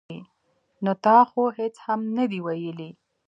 ـ نو تا خو هېڅ هم نه دي ویلي.